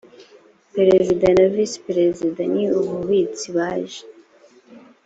perezida na visi perezida n ‘umubitsi baje.